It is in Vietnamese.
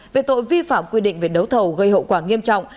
về tội vi phạm quy định về đấu thầu gây hậu quả nghiêm trọng